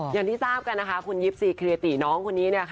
อย่างที่ทราบกันคุณญิพซีทีรียะตีน้องคนนี้